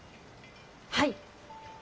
はい。